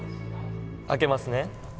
開けますね。